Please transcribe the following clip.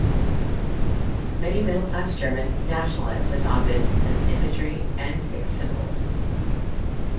Many middle-class German nationalists adopted this imagery and its symbols.